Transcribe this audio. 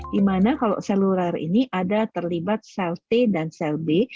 di mana kalau seluler ini ada terlibat sel t dan sel b